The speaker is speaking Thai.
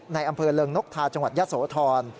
ในอำเภอเริงนกทาจังหวัดยะโสธร